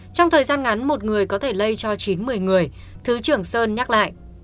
trong thời gian ngắn một người có thể lây cho chín một mươi người thứ trưởng sơn nhắc lại